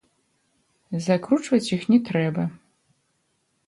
Закручваць іх не трэба.